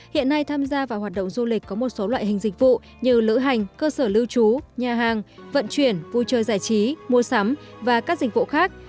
hiện nay tham gia vào hoạt động du lịch có một số loại hình dịch vụ như lữ hành cơ sở lưu trú nhà hàng vận chuyển vui chơi giải trí mua sắm và các dịch vụ khác